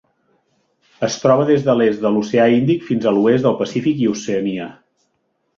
Es troba des de l'est de l'Oceà Índic fins a l'oest del Pacífic i Oceania.